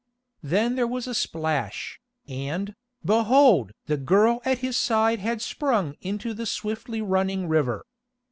Then there was a splash, and, behold! the girl at his side had sprung into the swiftly running river.